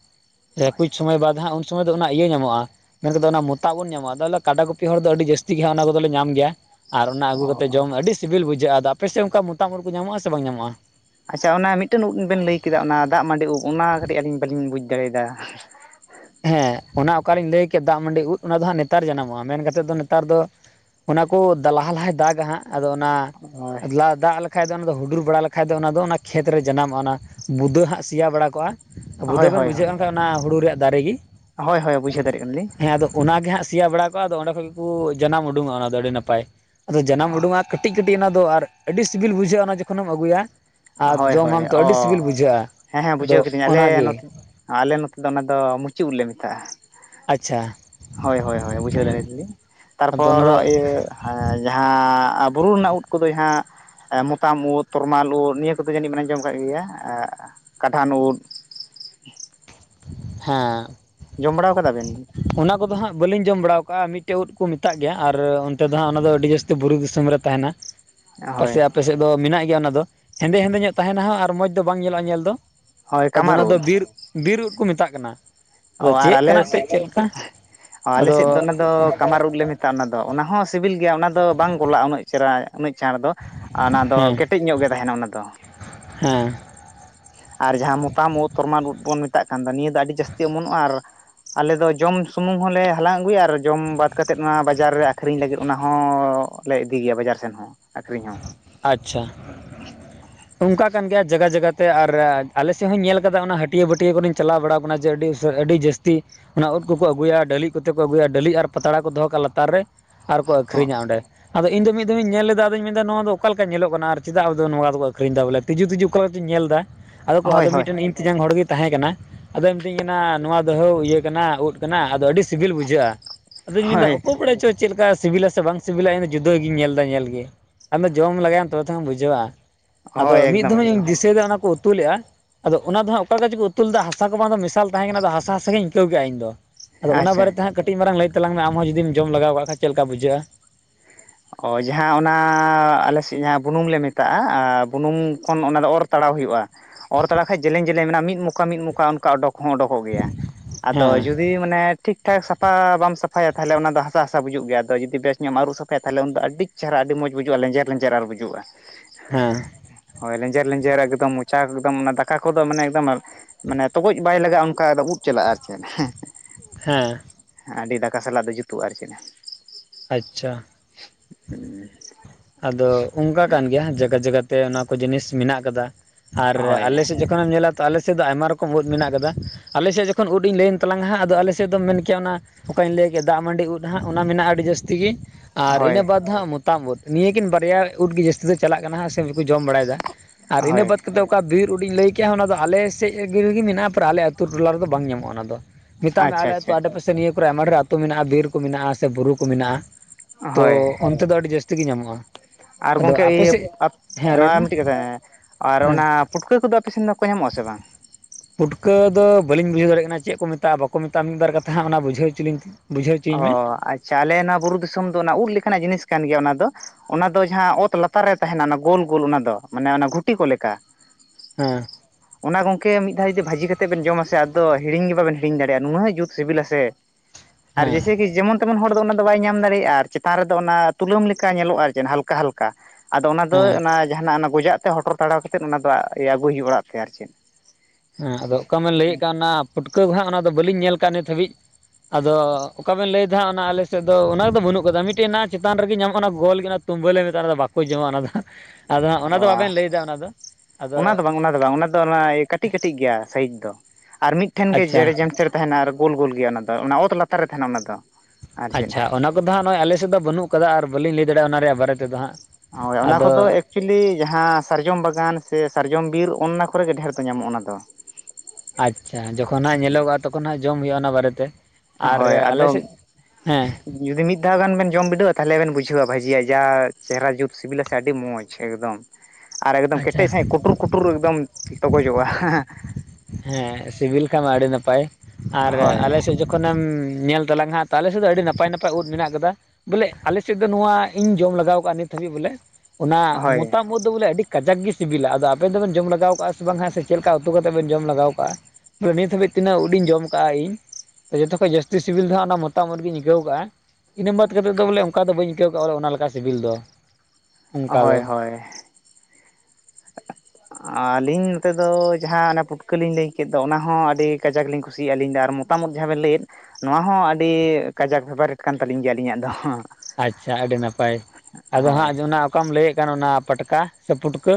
ᱥᱮ ᱠᱩᱪ ᱥᱚᱢᱚᱭ ᱵᱟᱫ ᱦᱟᱸᱜ ᱩᱱ ᱥᱚᱢᱚᱭ ᱫᱚ ᱚᱱᱟ ᱤᱭᱟᱹ ᱧᱟᱢᱚᱜᱼᱟ? ᱢᱮᱱ ᱠᱚ ᱫᱚ ᱚᱱᱟ ᱢᱚᱛᱟᱢ ᱩᱫ ᱧᱟᱢᱚᱜᱼᱟ᱾ ᱟᱫᱚ ᱟᱞᱮ ᱠᱟᱰᱟ ᱜᱩᱯᱤ ᱦᱚᱲ ᱫᱚ ᱟᱹᱰᱤ ᱡᱟᱹᱥᱛᱤ ᱜᱮ ᱦᱟᱸᱜ ᱚᱱᱟ ᱠᱚᱫᱚ ᱞᱮ ᱧᱟᱢ ᱜᱮᱭᱟ᱾ ᱟᱨ ᱚᱱᱟ ᱟᱹᱜᱩ ᱠᱟᱛᱮᱫ ᱡᱚᱢ ᱟᱹᱰᱤ ᱥᱤᱵᱤᱞ ᱵᱩᱡᱷᱟᱹᱜᱼᱟ᱾ ᱟᱫᱚ ᱟᱯᱮ ᱥᱮᱫ ᱚᱱᱠᱟ ᱢᱚᱛᱟᱢ ᱩᱫ ᱠᱚ ᱧᱟᱢᱚᱜᱼᱟ ᱥᱮ ᱵᱟᱝ ᱧᱟᱢᱚᱜᱼᱟ? ᱟᱪᱪᱷᱟ, ᱚᱱᱟ ᱢᱤᱫᱴᱮᱱ ᱩᱫ ᱵᱮᱱ ᱞᱟᱹᱭ ᱠᱮᱫᱟ᱾ ᱚᱱᱟ ᱫᱟᱜ ᱢᱟᱹᱰᱤ ᱩᱫ ᱚᱱᱟ ᱠᱟᱹᱴᱤᱡ ᱟᱹᱞᱤᱧ ᱵᱟᱹᱞᱤᱧ ᱵᱩᱡᱽ ᱫᱟᱲᱮᱭ ᱟᱫᱟ? ᱦᱮᱸ ᱚᱱᱟ ᱚᱠᱟᱨᱤᱧ ᱞᱟᱹᱭ ᱠᱮᱫ ᱫᱟᱜ ᱢᱟᱹᱰᱤ ᱩᱫ ᱚᱱᱟ ᱫᱚ ᱦᱟᱸᱜ ᱱᱮᱛᱟᱨ ᱡᱟᱱᱟᱢᱚᱜᱼᱟ, ᱢᱮᱱ ᱠᱟᱛᱮᱫ ᱫᱚ ᱱᱮᱛᱟᱨ ᱫᱚ ᱚᱱᱟᱠᱩ ᱞᱟᱦᱟ ᱞᱟᱦᱟᱭ ᱫᱟᱜᱟ ᱦᱟᱸᱜ ᱟᱫᱚ ᱚᱱᱟ ᱦᱳᱭ ᱞᱟᱫ ᱫᱟᱜ ᱞᱮᱠᱷᱟᱡ ᱫᱚ, ᱚᱱᱟ ᱫᱚ ᱦᱩᱰᱩᱨ ᱵᱟᱲᱟ ᱞᱮᱠᱷᱟᱡ ᱫᱚ ᱚᱱᱟ ᱫᱚ ᱚᱱᱟ ᱠᱷᱮᱛ ᱨᱮ ᱡᱟᱱᱟᱢᱚᱜᱼᱟ᱾ ᱚᱱᱟ ᱵᱩᱫᱟᱹ ᱦᱟᱸᱜ ᱥᱮᱭᱟ ᱵᱟᱲᱟᱠᱚᱜ-ᱟ᱾ ᱵᱩᱫᱟᱹ ᱦᱳᱭ ᱵᱮᱱ ᱵᱩᱡᱷᱟᱹᱣ ᱮᱜ ᱠᱷᱟᱱ ᱚᱱᱟ ᱦᱩᱲᱩ ᱨᱮᱭᱟᱜ ᱫᱟᱨ ᱜᱤ᱾ ᱦᱚᱭ ᱦᱚᱭ ᱵᱩᱡᱷᱟᱹᱣ ᱫᱟᱲᱮᱭᱟᱜ ᱠᱟᱱᱟᱞᱤᱧ ᱚᱱᱟᱜᱮ ᱦᱟᱸᱜ ᱥᱮᱭᱟ ᱵᱟᱲᱟ ᱠᱚᱜᱼᱟ ᱟᱫᱚ ᱚᱸᱰᱮ ᱠᱷᱚᱡ ᱜᱮᱠᱚ ᱡᱟᱱᱟᱢ ᱩᱰᱩᱝᱚᱜᱼᱟ ᱚᱱᱟ ᱫᱚ ᱟᱹᱰᱤ ᱱᱟᱯᱟᱭ, ᱟᱫᱚ ᱡᱟᱱᱟᱢ ᱩᱰᱩᱝᱚᱜᱼᱟ ᱠᱟᱹᱴᱤᱡ ᱼᱼ ᱠᱟᱹᱴᱤᱡ ᱚᱱᱟ ᱫᱚ ᱟᱨ ᱟᱹᱰᱤ ᱥᱤᱵᱤᱞ ᱵᱩᱡᱷᱟᱹᱜᱼᱟ ᱚᱱᱟ ᱡᱚᱠᱷᱚᱱᱮᱢ ᱟᱹᱜᱩᱭᱟ ᱟᱨ ᱦᱳᱭ ᱦᱳᱭ ᱡᱚᱢᱟᱢ ᱛᱚ ᱟᱹᱰᱤ ᱥᱤᱵᱤᱞ ᱚ ᱵᱩᱡᱷᱟᱹᱜᱼᱟ ᱦᱮᱸ ᱦᱮᱸ ᱵᱩᱡᱷᱟᱹᱣ ᱟᱫᱚ ᱠᱤᱫᱟᱹᱧ ᱟᱞᱮ ᱚᱱᱟᱜᱮ ᱾ ᱱᱚᱛᱮ ᱟᱞᱮ ᱱᱚᱛᱮ ᱫᱚ ᱚᱱᱟ ᱫᱚ ᱢᱩᱪᱤ ᱩᱫ ᱞᱮ ᱢᱮᱛᱟᱜᱼᱟ ᱟᱪᱪᱷᱟ ᱾ ᱦᱚᱭ ᱦᱚᱭ ᱦᱚᱭ ᱵᱩᱡᱷᱟᱹᱣ ᱦᱮᱸ ᱫᱟᱲᱮᱭᱟᱫᱟᱞᱤᱧ ᱟᱫᱚ ᱛᱟᱨᱯᱚᱨ ᱚᱱᱟ ᱫᱚ ᱤᱭᱟᱹ ᱡᱟᱦᱟᱸ ᱵᱩᱨᱩ ᱨᱮᱱᱟᱜ ᱩᱫ ᱠᱚᱫᱚ ᱦᱟᱸᱜ ᱢᱚᱛᱟᱢ ᱩᱫ ᱛᱚᱨᱢᱟᱞ ᱩᱫ ᱱᱤᱭᱟᱹ ᱠᱚᱫᱚ ᱡᱟᱹᱱᱤᱡ ᱵᱮᱱ ᱟᱸᱡᱚᱢ ᱟᱠᱟᱫ ᱜᱮᱭᱟ ᱟᱻᱜ ᱠᱟᱴᱷᱟᱱ ᱩᱫ ᱾ ᱦᱮᱸ ᱡᱚᱢ ᱵᱟᱲᱟ ᱠᱟᱫᱟᱵᱤᱱ ᱚᱱᱟ ᱠᱚᱫᱚ ᱦᱟᱸᱜ ᱵᱟᱹᱞᱤᱧ ᱡᱚᱢ ᱵᱟᱲᱟᱣ ᱠᱟᱜᱼᱟ ᱢᱤᱫᱴᱮᱡ ᱩᱫ ᱠᱚ ᱢᱮᱛᱟᱜ ᱜᱮᱭᱟ ᱟᱨ ᱚᱱᱛᱮ ᱫᱚ ᱦᱟᱸᱜ ᱚᱱᱟ ᱫᱚ ᱟᱹᱰᱤ ᱡᱟᱹᱥᱛᱤ ᱵᱩᱨᱩ ᱫᱤᱥᱚᱢ ᱨᱮ ᱼᱼ ᱛᱟᱦᱮᱸᱱᱟ ᱾ ᱦᱳᱭ ᱯᱟᱥᱮ ᱟᱯᱮ ᱥᱮᱫ ᱫᱚ ᱢᱮᱱᱟᱜ ᱜᱮᱭᱟ ᱚᱱᱟ ᱫᱚ, ᱦᱮᱸᱫᱮ ᱦᱮᱸᱫᱮ ᱧᱚᱜ ᱛᱟᱦᱮᱱᱟ ᱦᱚᱸ ᱟᱨ ᱢᱚᱡᱽ ᱫᱚ ᱵᱟᱝ ᱧᱮᱞᱚᱜᱼᱟ ᱧᱮᱞ ᱫᱚ ᱦᱳᱭ ᱾ ᱟᱫᱚ ᱠᱟᱢᱟᱨ ᱚᱱᱟ ᱫᱚ ᱩᱫ ᱵᱤᱨ ᱵᱤᱨ ᱩᱫ ᱠᱚ ᱢᱮᱛᱟᱜ ᱠᱟᱱᱟ ᱾ ᱚ ᱟᱨ ᱟᱞᱮ ᱥᱮᱫ ᱟᱞᱮ ᱥᱮᱫ ᱫᱚ ᱟᱫᱚ ᱚᱱᱟ ᱫᱚ ᱠᱟᱢᱟᱨ ᱩᱵ ᱞᱮ ᱢᱮ ᱼᱼ ᱚᱱᱟ ᱫᱚ ᱚᱱᱟ ᱦᱚᱸ ᱥᱤᱵᱤᱞ ᱜᱮᱭᱟ ᱚᱱᱟ ᱫᱚ ᱵᱟᱝ ᱜᱚᱞᱟᱜᱼᱟ ᱩᱱᱟᱹᱜ ᱪᱮᱦᱨᱟ ᱩᱱᱟᱹᱜ ᱪᱟᱬ ᱫᱚ ᱟᱨ ᱚᱱᱟ ᱫᱚ ᱦᱮᱸ ᱠᱮᱴᱮᱡ ᱧᱚᱜ ᱜᱮ ᱛᱟᱦᱮᱸᱱᱟ ᱚᱱᱟᱫᱚ ᱾ ᱦᱮᱸ ᱟᱨ ᱡᱟᱦᱟᱸ ᱢᱚᱛᱟᱢ ᱩᱫ ᱛᱚᱨᱢᱟᱞ ᱩᱫ ᱵᱚᱱ ᱢᱮᱛᱟᱜ ᱠᱟᱱ ᱫᱚ ᱱᱤᱭᱟᱹ ᱫᱚ ᱟᱹᱰᱤ ᱡᱟᱹᱥᱛᱤ ᱚᱢᱚᱱᱚᱜᱼᱟ ᱟᱨᱼᱼ ᱟᱞᱮ ᱫᱚ ᱡᱚᱢ ᱥᱩᱢᱩᱝ ᱦᱚᱸᱞᱮ ᱦᱟᱞᱟᱝ ᱟᱹᱜᱩᱭᱟ ᱟᱨ ᱡᱚᱢ ᱵᱟᱫ ᱠᱟᱛᱮᱫ ᱚᱱᱟ ᱵᱟᱡᱟᱨ ᱨᱮ ᱟᱹᱠᱷᱨᱤᱧ ᱞᱟᱜᱤᱫ ᱚᱱᱟ ᱦᱚᱸᱼᱼ ᱞᱮ ᱤᱫᱤ ᱜᱮᱭᱟ ᱵᱟᱡᱟᱨ ᱥᱮᱱ ᱦᱚᱸ ᱟᱠᱷᱨᱤᱧ ᱦᱚᱸ ᱾ ᱟᱪᱪᱷᱟ ᱚᱱᱠᱟ ᱠᱟᱱ ᱜᱮᱭᱟ ᱡᱟᱜᱟ ᱡᱟᱜᱟᱛᱮ ᱟᱨ ᱟᱞᱮ ᱥᱮᱫ ᱦᱚᱸᱧ ᱧᱮᱞ ᱟᱠᱟᱫᱟ ᱚᱱᱟ ᱦᱟᱹᱴᱭᱟᱹ ᱵᱟᱹᱴᱭᱟᱹ ᱠᱚᱨᱮᱧ ᱪᱟᱞᱟᱣ ᱵᱟᱲᱟᱣ ᱟᱠᱟᱱᱟ ᱡᱮ ᱟᱹᱰᱤ ᱼᱼ ᱥᱮ ᱟᱹᱰᱤ ᱡᱟᱹᱥᱛᱤ ᱚᱱᱟ ᱩᱫ ᱠᱚᱠᱚ ᱟᱹᱜᱩᱭᱟ ᱰᱟᱹᱞᱤᱡ ᱠᱚᱛᱮ ᱠᱚ ᱟᱹᱜᱩᱭᱟ ᱰᱟᱹᱞᱤᱡ ᱟᱨ ᱯᱟᱛᱲᱟ ᱠᱚ ᱫᱚᱦᱚ ᱠᱟᱜᱼᱟ ᱞᱟᱛᱟᱨ ᱨᱮᱼᱼ ᱟᱨᱠᱚ ᱦᱚᱸ ᱟᱠᱷᱨᱤᱧᱟ ᱚᱸᱰᱮ ᱾ ᱟᱫᱚ ᱤᱧ ᱫᱚ ᱢᱤᱫ ᱫᱚᱢ ᱤᱧ ᱧᱮᱞ ᱞᱮᱫᱟ ᱟᱫᱚᱧ ᱢᱮᱱᱫᱟ ᱱᱚᱣᱟ ᱫᱚ ᱚᱠᱟ ᱞᱮᱠᱟ ᱧᱮᱞᱚᱜ ᱠᱟᱱᱟ ᱪᱮᱫᱟᱜ ᱫᱚ ᱱᱚᱣᱟ ᱫᱚᱠᱚ ᱟᱹᱠᱷᱨᱤᱧᱫᱟ ᱵᱚᱞᱮ ᱛᱤᱡᱩ ᱛᱤᱡᱩ ᱚᱠᱟ ᱞᱮᱠᱟ ᱪᱚᱧ ᱧᱮᱞ ᱫᱟ, ᱟᱫᱚ ᱦᱳᱭ ᱟᱫᱚ ᱦᱳᱭ ᱢᱤᱫᱴᱮᱱ ᱤᱧ ᱛᱤᱧᱟᱝ ᱦᱚᱲᱜᱮ ᱛᱟᱦᱮᱸ ᱠᱟᱱᱟ, ᱟᱫᱚᱭ ᱢᱤᱛᱟᱹᱧ ᱠᱟᱱᱟ ᱱᱚᱣᱟ ᱫᱚ ᱦᱳ ᱤᱭᱟᱹ ᱠᱟᱱᱟ ᱩᱫ ᱠᱟᱱᱟ ᱟᱫᱚ ᱟᱹᱰᱤ ᱼᱼ ᱥᱤᱵᱤᱞ ᱵᱩᱡᱷᱟᱹᱜᱼᱟ ᱾ ᱟᱫᱚᱧ ᱢᱮᱱᱮᱫᱟ ᱦᱳᱭ ᱚᱠᱚᱭ ᱵᱟᱲᱟᱭ ᱪᱚ ᱪᱮᱫ ᱞᱮᱠᱟ ᱥᱤᱵᱤᱞᱟ ᱥᱮ ᱵᱟᱝ ᱥᱤᱵᱤᱞᱟ ᱤᱧ ᱫᱚ ᱡᱩᱫᱟᱹ ᱜᱤᱧ ᱧᱮᱞ ᱮᱫᱟ ᱧᱮᱞ ᱜᱮ ᱾ ᱟᱫᱚ ᱡᱚᱢ ᱞᱮᱜᱟᱭᱟᱢ ᱛᱚᱵᱮ ᱛᱚᱢ ᱵᱩᱡᱷᱟᱹᱣᱟ, ᱟᱫᱚ ᱦᱳᱭ ᱢᱤᱫ ᱮᱠᱫᱚᱢ ᱫᱷᱚᱢᱮᱧ ᱮᱠᱫᱚᱢ ᱫᱤᱥᱟᱹᱭᱮᱫᱟ ᱚᱱᱟ ᱠᱚ ᱼᱼ ᱩᱛᱩ ᱞᱮᱫ-ᱟ ᱟᱫᱚ ᱚᱱᱟ ᱫᱚ ᱦᱟᱸᱜ ᱚᱠᱟ ᱞᱮᱠᱟ ᱪᱚ ᱠᱚ ᱩᱛᱩ ᱞᱮᱫᱟ ᱦᱟᱥᱟ ᱠᱚ ᱵᱟᱝ ᱫᱚ ᱢᱮᱥᱟᱞ ᱛᱟᱦᱮᱸ ᱠᱟᱱᱟ ᱟᱫᱚ ᱦᱟᱥᱟ ᱦᱟᱥᱟ ᱜᱮᱧ ᱟᱹᱭᱠᱟᱹᱣ ᱠᱮᱫᱼᱟ ᱤᱧᱫᱚ ᱾ ᱟᱫᱚ ᱚᱱᱟ ᱟᱪᱪᱷᱟ ᱵᱟᱨᱮ ᱛᱮ ᱦᱟᱸᱜ ᱠᱟᱹᱴᱤᱡ ᱢᱟᱨᱟᱝ ᱞᱟᱹᱭ ᱛᱟᱞᱟᱝ ᱢᱮ ᱟᱢ ᱦᱚᱸ ᱡᱩᱫᱤᱢ ᱡᱚᱢ ᱞᱟᱜᱟᱣ ᱠᱷᱟᱱ ᱪᱮᱫ ᱞᱮᱠᱟ ᱵᱩᱡᱷᱟᱹᱜᱼᱟ ᱾ ᱚ ᱡᱟᱦᱟᱸ ᱚᱱᱟ ᱟᱞᱮ ᱥᱮᱫ ᱡᱟᱦᱟᱸ ᱵᱩᱱᱩᱢ ᱞᱮ ᱢᱮᱛᱟᱜᱼᱟ ᱟᱨ ᱵᱩᱱᱩᱢ ᱠᱷᱚᱱ ᱚᱱᱟ ᱫᱚ ᱚᱨ ᱼᱼ ᱛᱟᱲᱟᱣ ᱦᱩᱭᱩᱜᱼᱟ, ᱚᱨ ᱛᱟᱲᱟᱣ ᱠᱷᱟᱡ ᱡᱮᱞᱮᱧ ᱡᱮᱞᱮᱧ ᱢᱮᱱᱟᱜᱼᱟ ᱢᱤᱫ ᱢᱚᱠᱟ ᱢᱤᱫ ᱢᱚᱠᱟ ᱚᱱᱠᱟ ᱚᱰᱚᱠ ᱦᱚᱸ ᱚᱰᱳᱠᱚᱜ ᱜᱮᱭᱟ ᱾ ᱟᱫᱚ ᱦᱮᱸ ᱡᱩᱫᱤ ᱼᱼ ᱢᱟᱱᱮ ᱴᱷᱤᱠ ᱴᱷᱟᱠ ᱥᱟᱯᱷᱟ ᱵᱟᱢ ᱥᱟᱯᱷᱟᱭᱟ ᱛᱟᱦᱚᱞᱮ ᱚᱱᱟ ᱫᱚ ᱦᱟᱥᱟ ᱦᱟᱥᱟ ᱵᱩᱡᱩᱜ ᱜᱮᱭᱟ ᱡᱩᱫᱤ ᱵᱮᱥ ᱧᱚᱜ ᱟᱹᱨᱩ ᱥᱟᱷᱟ ᱼᱼ ᱛᱟᱦᱚᱞᱮ ᱩᱱᱫᱚ ᱟᱹᱰᱤ ᱪᱮᱦᱨᱟ ᱟᱹᱰᱤ ᱢᱚᱡᱽ ᱵᱩᱡᱩᱜᱼᱟ ᱞᱮᱸᱡᱮᱨ ᱞᱮᱸᱡᱮᱨ ᱟᱨ ᱵᱩᱡᱩᱜᱼᱟ ᱾ ᱦᱮᱸ ᱦᱚᱭ ᱞᱮᱸᱡᱮᱨ ᱞᱮᱸᱡᱮᱨ ᱮᱠᱫᱚᱢ ᱢᱚᱪᱟ ᱮᱠᱫᱚᱢ ᱚᱱᱟ ᱫᱟᱠᱟ ᱠᱚᱫᱚ ᱢᱟᱱᱮ ᱮᱠᱫᱚᱢᱼᱼ ᱢᱟᱱᱮ ᱛᱚᱜᱚᱡ ᱵᱟᱭ ᱞᱟᱜᱟᱜᱼᱟ ᱚᱱᱠᱟ ᱩᱫᱽ ᱪᱟᱞᱟᱜᱼᱟ ᱟᱨ ᱪᱮᱫ ᱾ ᱦᱮᱸ ᱟᱹᱰᱤ ᱫᱟᱠᱟ ᱥᱟᱞᱟᱜ ᱫᱚ ᱡᱩᱛᱩᱜᱼᱟ ᱟᱨ ᱪᱮᱫᱽ? ᱟᱪᱪᱷᱟ [inaudible] ᱟᱫᱚ ᱚᱱᱠᱟ ᱠᱟᱱ ᱜᱮᱭᱟ ᱡᱟᱜᱟ ᱡᱟᱜᱟᱛᱮ ᱚᱱᱟ ᱠᱚ ᱡᱤᱱᱤᱥ ᱢᱮᱱᱟᱜ ᱟᱠᱟᱫᱟ ᱟᱨ ᱦᱳᱭ ᱟᱞᱮ ᱥᱮᱫ ᱡᱚ ᱼᱼ ᱧᱮᱞᱟ ᱛᱚ ᱟᱞᱮ ᱥᱮᱫ ᱫᱚ ᱟᱭᱢᱟ ᱨᱚᱠᱚᱢ ᱩᱫ ᱢᱮᱱᱟᱜ ᱟᱠᱟᱫᱟ, ᱟᱞᱮ ᱥᱮᱫ ᱡᱚᱠᱷᱚᱱ ᱩᱫ ᱤᱧ ᱞᱟᱹᱭᱟᱢ ᱛᱟᱞᱟᱝᱼᱟ ᱦᱟᱸᱜ ᱟᱫᱚ ᱟᱞᱮ ᱥᱮᱫ ᱫᱚᱢ ᱢᱮᱱ ᱠᱮᱭᱟ ᱚᱱᱟᱼᱼ ᱚᱠᱟᱧ ᱞᱟᱹᱭ ᱠᱮᱫ ᱫᱟᱜ ᱢᱟᱹᱰᱤ ᱩᱫ ᱦᱟᱸᱜ ᱚᱱᱟ ᱢᱮᱱᱟᱜᱼᱟ ᱟᱹᱰᱤ ᱡᱟᱹᱥᱛᱤ ᱜᱮ ᱾ ᱟᱨ ᱦᱳᱭ ᱤᱱᱟᱹ ᱵᱟᱫᱽ ᱫᱚ ᱦᱟᱸᱜ ᱢᱚᱛᱟᱢ ᱩᱫ ᱱᱤᱭᱟᱹᱠᱤᱱ ᱵᱟᱨᱭᱟ ᱩᱫ ᱜᱮ ᱡᱟᱹᱥᱛᱤ ᱫᱚ ᱪᱟᱞᱟᱜ ᱠᱟᱱᱟ ᱦᱟᱸᱜ ᱥᱮᱠᱚ ᱡᱚᱢ ᱵᱟᱲᱟᱭᱮᱫᱟ ᱾ ᱟᱨ ᱤᱱᱟᱹ ᱦᱳᱭ ᱵᱟᱫ ᱠᱟᱛᱮᱫ ᱼᱼ ᱚᱠᱟ ᱵᱤᱨ ᱩᱰᱤᱧ ᱞᱟᱹᱭ ᱠᱮᱜᱼᱟ ᱚᱱᱟᱫᱚ ᱟᱞᱮ ᱥᱮᱫ ᱨᱮᱜᱮ ᱢᱮᱱᱟᱜᱼᱟ ᱯᱟᱨᱟ ᱟᱞᱮ ᱟᱹᱛᱩ ᱴᱚᱞᱟ ᱨᱮᱫᱚ ᱵᱟᱝ ᱧᱟᱢᱚᱜᱼᱟ, ᱚᱱᱟᱫᱚ᱾ ᱢᱮᱛᱟᱜ ᱢᱮ ᱟᱪᱪᱷᱟ ᱟᱞᱮ ᱟᱹᱛᱩ ᱟᱪᱪᱷᱟ ᱟᱰᱮ ᱯᱟᱥᱮ ᱱᱤᱭᱟᱹ ᱠᱚᱨᱮ ᱟᱭᱢᱟ ᱰᱷᱮᱨ ᱟᱹᱛᱩ ᱢᱮᱱᱟᱜᱼᱟ, ᱵᱤᱨ ᱠᱚ ᱢᱮᱱᱟᱜᱼᱟ ᱥᱮ ᱵᱩᱨᱩ ᱠᱚ ᱢᱮᱱᱟᱜᱼᱟ᱾ ᱛᱚ ᱦᱳᱭ ᱚᱱᱛᱮ ᱫᱚ ᱟᱹᱰᱤ ᱡᱟᱹᱥᱛᱤ ᱜᱮ ᱧᱟᱢᱚᱜᱼᱟ᱾ ᱟᱨ ᱟᱫᱚ ᱜᱚᱢᱠᱮ ᱟᱯᱮ ᱤᱭᱟᱹ ᱥᱮᱫ ᱦᱮᱸ ᱨᱚᱲ [unintelligible] ᱟᱨ ᱢᱮ ᱢᱤᱫᱴᱮᱱ ᱠᱟᱛᱷᱟ ᱟᱨ ᱦᱮᱸ ᱚᱱᱟᱼᱼ ᱯᱩᱴᱠᱟᱹᱠᱚᱫᱚ ᱟᱯᱮ ᱥᱮᱫ ᱫᱚᱠᱚ ᱧᱟᱢᱚᱜᱼᱟ ᱥᱮ ᱵᱟᱝ? ᱯᱩᱴᱠᱟᱹ ᱫᱚ ᱵᱟᱹᱞᱤᱧ ᱵᱩᱡᱷᱟᱹᱣ ᱫᱟᱲᱮᱭᱟᱜ ᱠᱟᱱᱟ ᱪᱮᱫ ᱠᱚ ᱢᱮᱛᱟᱜᱼᱟ, ᱵᱟᱠᱚ ᱢᱮᱟᱜᱼᱟ ᱢᱤᱫ ᱵᱟᱨ ᱠᱟᱛᱷᱟ ᱦᱟᱸᱜ ᱚᱱᱟ ᱵᱩᱡᱷᱟᱹᱣᱪᱚ ᱞᱤᱧᱼᱼ ᱚ ᱟᱪᱪᱷᱟ ᱟᱞᱮ ᱱᱚᱣᱟ ᱵᱩᱨᱩ ᱫᱤᱥᱚᱢ ᱫᱚ ᱚᱱᱟ ᱩᱫ ᱞᱮᱠᱟᱱᱟᱜ ᱡᱤᱱᱤᱥ ᱠᱟᱱ ᱜᱮᱭᱟ ᱚᱱᱟ ᱫᱚ᱾ ᱚᱱᱟ ᱫᱚ ᱡᱟᱦᱟᱸ ᱚᱛ ᱞᱟᱛᱟᱨ ᱨᱮ ᱛᱟᱦᱮᱱᱟ ᱚᱱᱟ ᱜᱳᱞ ᱜᱳᱞ ᱚᱱᱟ ᱫᱚ ᱢᱟᱱᱮ ᱚᱱᱟ ᱜᱩᱴᱤ ᱠᱚ ᱞᱮᱠᱟ᱾ ᱦᱮᱸ᱾ ᱚᱱᱟ ᱜᱚᱝᱠᱮ ᱢᱤᱫ ᱫᱷᱟᱣ ᱡᱩᱫᱤ ᱵᱷᱟᱹᱡᱤ ᱠᱟᱛᱮᱫ ᱵᱮᱱ ᱡᱚᱢᱟ ᱥᱮ ᱟᱫᱚ ᱦᱤᱲᱤᱧ ᱜᱮ ᱵᱟᱵᱮᱱ ᱦᱤᱲᱤᱧ ᱫᱟᱲᱮᱭᱟᱜᱼᱟ ᱱᱩᱱᱟᱹᱜ ᱡᱩᱛ ᱥᱤᱵᱤᱞᱟ ᱥᱮ᱾ ᱟᱨ ᱦᱮᱸ ᱡᱮᱥᱮ ᱠᱤ ᱡᱮᱢᱚᱱ ᱛᱮᱢᱚᱱ ᱦᱚᱲ ᱫᱚ ᱚᱱᱟ ᱫᱚ ᱵᱟᱭ ᱧᱟᱢ ᱫᱟᱲᱮᱭᱟᱜᱼᱟ, ᱟᱨ ᱪᱮᱛᱟᱱ ᱨᱮᱫᱚ ᱚᱱᱟ ᱛᱩᱞᱟᱹᱢ ᱞᱮᱠᱟ ᱧᱮᱞᱚᱜᱼᱟ ᱟᱨ ᱡᱮᱱ ᱦᱟᱞᱠᱟ ᱦᱟᱞᱠᱟ᱾ ᱠᱟ ᱟᱫᱚ ᱚᱱᱟ ᱫᱚ ᱦᱮᱸ ᱚᱱᱟ ᱡᱟᱦᱟᱱᱟᱜ ᱚᱱᱟ ᱜᱚᱡᱟᱜ ᱛᱮ ᱦᱚᱴᱚᱨ ᱛᱟᱲᱟᱣ ᱠᱟᱛᱮᱫ ᱚᱱᱟ ᱫᱚ ᱤᱭᱟᱹ ᱟᱹᱜᱩᱭ ᱦᱩᱭᱩᱜᱼᱟ, ᱚᱲᱟᱜ ᱛᱮ ᱟᱨ ᱪᱮᱫ᱾ ᱦᱮᱸ ᱟᱫᱚ ᱚᱠᱟ ᱵᱮᱱ ᱞᱟᱹᱭᱮᱜ ᱠᱟᱱ ᱚᱱᱟ ᱯᱩᱴᱠᱟᱹ ᱫᱚ ᱦᱟᱸᱜ ᱵᱟᱹᱞᱤᱧ ᱧᱮᱞ ᱠᱟᱜ ᱱᱤᱛ ᱦᱟᱹᱵᱤᱡ᱾ ᱟᱫᱚ ᱚᱠᱟ ᱵᱮᱱ ᱞᱟᱹᱭᱫᱟ ᱦᱟᱸᱜ ᱚᱱᱟ ᱟᱞᱮ ᱥᱮᱫ ᱫᱚ ᱚᱱᱟᱫᱚ ᱵᱟᱹᱱᱩᱜ ᱠᱟᱫᱟ ᱢᱤᱫᱴᱮᱡ ᱦᱮᱱᱟᱜᱼᱟ, ᱪᱮᱛᱟᱱ ᱨᱮᱜᱮ ᱧᱟᱢᱚᱜ ᱚᱱᱟ ᱜᱳᱞ ᱜᱮ ᱚᱱᱟᱼᱼ ᱛᱩᱢᱵᱟᱹ ᱞᱮ ᱢᱮᱛᱟᱜᱼᱟ ᱚᱱᱟ ᱫᱚ ᱵᱟᱠᱚ ᱡᱚᱢᱟ ᱚᱱᱟᱫᱚ ᱟᱫᱚ ᱦᱟᱸᱜ ᱚᱱᱟᱫᱚ ᱚ ᱵᱟᱵᱮᱱ ᱞᱟᱹᱭᱮᱫᱟ ᱚᱱᱟᱫᱚ ᱟᱫᱚᱼᱼ ᱚᱱᱟ ᱫᱚ ᱵᱟᱝ ᱚᱱᱟ ᱫᱚ ᱠᱟᱹᱴᱤᱡ ᱠᱟᱹᱴᱤᱡ ᱜᱮᱭᱟ ᱥᱟᱭᱤᱡ ᱫᱚ ᱟᱨ ᱢᱤᱫᱴᱷᱮᱱ ᱜᱮ ᱟᱪᱪᱷᱟ ᱡᱮᱲᱮ ᱡᱮᱱᱴᱷᱮᱼᱼ ᱛᱟᱦᱮᱱᱟ ᱟᱨ ᱜᱳᱞ ᱜᱳᱞ ᱜᱮᱭᱟ ᱚᱱᱟᱫᱚ ᱚᱱᱟ ᱚᱛ ᱞᱟᱛᱟᱨ ᱨᱮ ᱛᱟᱦᱮᱱᱟ ᱚᱱᱟ ᱫᱚ᱾ ᱟᱨ ᱪᱮᱫ ᱟᱪᱪᱷᱟ ᱚᱱᱟ ᱠᱚᱫᱚ ᱦᱟᱸᱜ ᱱᱚᱜᱼᱚᱭ ᱟᱞᱮ ᱥᱮᱫ ᱫᱚ ᱵᱟᱹᱱᱩᱜ ᱠᱟᱫᱟ ᱟᱨ ᱵᱟᱹᱞᱤᱧ ᱞᱟᱹᱭ ᱫᱟᱲᱮᱭᱟᱜᱼᱟ, ᱚᱱᱟ ᱨᱮᱭᱟᱜ ᱵᱟᱨᱮ ᱛᱮᱫᱚ ᱦᱟᱸᱜ᱾ ᱦᱳᱭ ᱚᱱᱟ ᱟᱫᱚ ᱠᱚᱫᱚ ᱮᱠᱼᱼ ᱪᱩᱭᱮᱞᱤ ᱡᱟᱦᱟᱸ ᱥᱟᱨᱡᱚᱢ ᱵᱟᱜᱟᱱ ᱥᱮ ᱥᱟᱨᱡᱚᱢ ᱵᱤᱨ ᱚᱱᱱᱟ ᱠᱚᱨᱮᱜᱮ ᱰᱷᱮᱨ ᱫᱚ ᱧᱟᱢᱚᱜᱼᱟ, ᱚᱱᱟ ᱫᱚ᱾ ᱟᱪᱪᱷᱟ ᱡᱚᱠᱷᱚᱱ ᱦᱟᱸᱜ ᱧᱮᱞᱚᱜᱚᱜᱼᱟ ᱛᱚᱠᱷᱚᱱ ᱦᱟᱸᱜ ᱡᱚᱢ ᱦᱩᱭᱩᱜᱼᱟ ᱚᱱᱟ ᱵᱟᱨᱮᱛᱮ᱾ ᱟᱨ ᱦᱳᱭ ᱟᱫᱚ ᱟᱞᱮ ᱥᱮᱫ ᱦᱮᱸ ᱡᱩᱫᱤ ᱢᱤᱫᱼᱼ ᱢᱤᱫ ᱫᱷᱟᱣ ᱜᱟᱱ ᱵᱮᱱ ᱡᱚᱢ ᱵᱤᱰᱟᱹᱣᱟ ᱛᱟᱦᱚᱞᱮ ᱵᱮᱱ ᱵᱩᱡᱷᱟᱹᱣᱟ ᱵᱷᱟᱡᱤᱭᱟᱜ ᱡᱟ ᱪᱮᱦᱨᱟ ᱡᱩᱛ ᱥᱤᱵᱤᱞᱟ ᱥᱮ ᱟᱹᱰᱤ ᱢᱚᱡᱽ ᱮᱠᱫᱚᱢ᱾ ᱟᱨ ᱮᱠᱫᱚᱢ ᱟᱪᱪᱷᱟ ᱠᱮᱴᱮᱡ ᱥᱟᱹᱦᱤᱡ ᱠᱩᱴᱩᱨ ᱠᱩᱴᱩᱨ ᱮᱠᱫᱚᱢ ᱛᱚᱜᱚᱡᱚᱜᱼᱟ᱾ ᱦᱮᱸ ᱥᱤᱵᱤᱞ ᱠᱷᱟᱱ ᱢᱟ ᱟᱹᱰᱤ ᱱᱟᱯᱟᱭ ᱟᱨ ᱦᱳᱭ ᱟᱞᱮ ᱥᱮᱫᱼᱼ ᱡᱚᱠᱷᱚᱱᱮᱢ ᱧᱮᱞ ᱛᱟᱞᱟᱝᱟ ᱦᱟᱸᱜ ᱛᱚ ᱟᱞᱮ ᱥᱮᱫ ᱫᱚ ᱟᱹᱰᱤ ᱱᱟᱯᱟᱭ ᱱᱟᱯᱟᱭ ᱩᱫ ᱢᱮᱱᱟᱜ ᱟᱠᱟᱫᱟ᱾ ᱵᱚᱞᱮ ᱟᱞᱮ ᱥᱮᱫ ᱫᱚ ᱱᱚᱣᱟ ᱤᱧ ᱡᱚᱢ ᱞᱮᱟᱜᱟᱣ ᱠᱟᱜᱼᱟ ᱱᱤᱛ ᱦᱟᱹᱵᱤᱡ ᱵᱚᱞᱮ᱾ ᱚᱱᱟ ᱦᱳᱭ ᱢᱚᱛᱟᱢ ᱩᱫ ᱫᱚ ᱵᱚᱞᱮ ᱟᱹᱰᱤ ᱠᱟᱡᱟᱠ ᱜᱮ ᱥᱤᱵᱤᱞᱟ ᱟᱫᱚ ᱟᱵᱮᱱ ᱫᱚᱵᱮᱱ ᱡᱚᱢ ᱞᱮᱟᱜᱟᱣ ᱠᱟᱜᱼᱟ, ᱥᱮ ᱵᱟᱝ ᱥᱮ ᱪᱮᱫ ᱞᱮᱠᱟ ᱩᱛᱩ ᱠᱟᱛᱮ᱾ ᱵᱟᱹᱧ ᱡᱚᱢ ᱞᱮᱟᱜᱟᱣ ᱠᱟᱜᱼᱟ ᱱᱤᱛ ᱦᱟᱹᱵᱤᱡ ᱛᱤᱱᱟᱹᱜ ᱩᱱ ᱤᱧ ᱡᱚᱢ ᱠᱟᱜᱼᱟ ᱤᱧ᱾ ᱡᱚᱛᱚ ᱠᱷᱚᱡ ᱡᱟᱹᱥᱛᱤ ᱥᱤᱵᱤᱞ ᱫᱚ ᱦᱟᱸᱜ ᱚᱱᱟ ᱢᱚᱛᱟᱢ ᱩᱫᱜᱤᱧ ᱟᱹᱭᱠᱟᱹᱣ ᱠᱟᱜᱼᱟ᱾ ᱤᱱᱟᱹ ᱵᱟᱫ ᱠᱟᱛᱮᱫ ᱫᱚ ᱵᱚᱞᱮ ᱚᱱᱠᱟ ᱫᱚ ᱵᱟᱹᱧ ᱟᱹᱭᱠᱟᱹᱣ ᱠᱟᱜᱼᱟ ᱵᱚᱞᱮ ᱚᱱᱟ ᱞᱮᱠᱟ ᱥᱤᱵᱤᱞ ᱫᱚ᱾ ᱚᱱᱠᱟ ᱫᱚ ᱦᱳᱭ ᱦᱳᱭ᱾ ᱟᱹᱞᱤᱧ ᱱᱚᱛᱮ ᱫᱚ ᱡᱟᱦᱟᱸ ᱚᱱᱟ ᱯᱩᱴᱠᱟᱹᱞᱤᱧ ᱞᱟᱹᱭ ᱠᱮᱫ ᱫᱚ ᱚᱱᱟ ᱦᱚᱸ ᱟᱹᱰᱤ ᱠᱟᱡᱟᱠ ᱞᱤᱧ ᱠᱩᱥᱤᱭᱟᱜᱼᱟ ᱟᱹᱞᱤᱧ ᱫᱚ, ᱟᱨ ᱢᱚᱛᱼᱼ ᱢᱚᱛᱟᱢ ᱳᱫ ᱡᱟᱦᱟᱸ ᱵᱮᱱ ᱞᱟᱹᱭᱮᱫ ᱱᱚᱣᱟ ᱦᱚᱸ ᱟᱹᱰᱤ ᱠᱟᱡᱟᱠ ᱯᱷᱮᱵᱟᱨᱮᱴ ᱠᱟᱱ ᱛᱟᱹᱞᱤᱧ ᱜᱮᱭᱟ ᱟᱹᱞᱤᱧᱟᱜ ᱫᱚ᱾ ᱟᱪᱪᱷᱟ ᱟᱹᱰᱤ ᱱᱟᱯᱟᱭ ᱟᱫᱚ ᱦᱳᱭ ᱦᱟᱸᱜ ᱚᱱᱟ ᱚᱠᱟᱢ ᱞᱟᱹᱭᱮᱫ ᱠᱟᱱ ᱚᱱᱟ ᱯᱟᱴᱠᱟ᱾ ᱥᱮ ᱯᱩᱴᱠᱟᱹ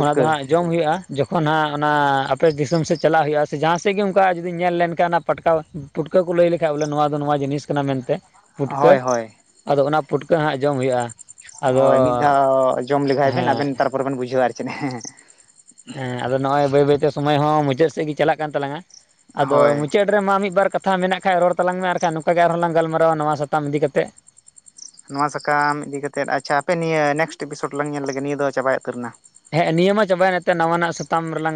ᱚᱱᱟ ᱫᱚ ᱦᱟᱸᱜ ᱡᱚᱢ ᱦᱩᱭᱩᱜᱼᱟ᱾ ᱡᱚᱠᱷᱚᱱ ᱦᱟᱸᱜ ᱚᱱᱟ ᱟᱯᱮ ᱫᱤᱥᱚᱢ ᱥᱮᱫ ᱪᱟᱞᱟᱜ ᱦᱩᱭᱩᱜᱼᱟ ᱥᱮ ᱡᱟᱦᱟᱸ ᱥᱮᱫ ᱜᱮ ᱚᱱᱠᱟ ᱡᱩᱫᱤ ᱧᱮᱞ ᱞᱮᱱ ᱠᱷᱟᱱ ᱚᱱᱟ ᱯᱟᱴᱠᱟᱣ᱾ ᱯᱩᱴᱠᱟᱹ ᱠᱩ ᱞᱟᱹᱭ ᱞᱮᱠᱷᱟᱡ ᱵᱚᱞᱮ ᱱᱚᱣᱟ ᱫᱚ ᱱᱚᱣᱟ ᱡᱤᱱᱤᱥ ᱠᱟᱱᱟ ᱢᱮᱱ ᱛᱮ ᱯᱩᱴᱠᱟᱹ᱾ ᱦᱳᱭ ᱦᱳᱭ ᱟᱫᱚ ᱚᱱᱟ ᱯᱩᱴᱠᱟᱹ ᱦᱟᱸᱜ ᱡᱚᱢ ᱦᱩᱭᱩᱜᱼᱟ᱾ ᱟᱫᱚ ᱦᱳᱭ ᱢᱤᱫ ᱫᱷᱟᱣ ᱡᱚᱢ ᱞᱮᱜᱟᱭ ᱵᱮᱱ ᱦᱮᱸ ᱟᱵᱮᱱ ᱛᱟᱨᱯᱚᱨᱮ ᱵᱮᱱ ᱵᱩᱡᱷᱟᱹᱣᱟ ᱟᱨ ᱪᱮᱫ ᱦᱮᱸ ᱮ᱾ ᱦᱮᱸ ᱟᱫᱚ ᱱᱚᱜᱼᱚᱭ ᱵᱟᱹᱭ ᱵᱟᱹᱭᱛᱮ ᱥᱚᱢᱚᱭ ᱦᱚᱸ ᱢᱩᱪᱟᱹᱫ ᱥᱮᱫ ᱜᱮ ᱪᱟᱞᱟᱜ ᱠᱟᱱ ᱛᱟᱞᱟᱝᱟ, ᱟᱫᱚ ᱦᱳᱭ ᱢᱩᱪᱟᱹᱫᱼᱼ ᱨᱮᱢᱟ ᱢᱤᱫ ᱵᱟᱨ ᱠᱟᱛᱷᱟ ᱢᱮᱱᱟᱜ ᱠᱷᱟᱱ ᱨᱚᱲ ᱛᱟᱞᱟᱝ ᱢᱮ ᱟᱨ ᱠᱷᱟᱱ ᱱᱚᱝᱠᱟ ᱜᱮ ᱟᱨᱦᱚᱸ ᱞᱟᱝ ᱜᱟᱞᱢᱟᱨᱣᱟ ᱱᱚᱣᱟ ᱥᱟᱛᱟᱢ ᱤᱫᱤ ᱠᱟᱛᱮᱫ᱾ ᱱᱚᱣᱟ ᱥᱟᱠᱟᱢ ᱤᱫᱤ ᱠᱟᱛᱮᱫ ᱟᱪᱪᱷᱟ ᱦᱟᱯᱮ ᱱᱤᱭᱟᱹ ᱱᱮᱠᱥᱴ ᱮᱯᱤᱥᱳᱰ ᱞᱟᱝ ᱧᱮᱞ ᱞᱮᱜᱮ ᱱᱤᱭᱟᱹ ᱫᱚ ᱪᱟᱵᱟᱭ ᱩᱛᱟᱹᱨ ᱮᱱᱟ᱾ ᱦᱮᱸᱮ ᱱᱤᱭᱟᱹ ᱢᱟ ᱪᱟᱵᱟᱭᱮᱱ ᱮᱱᱛᱮ ᱱᱟᱣᱟᱱᱟᱜ ᱥᱟᱛᱟᱢ ᱨᱮᱞᱟᱝ᱾